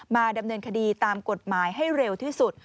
มาดำเนินคดีตามกฎหมายให้เร็วที่สุด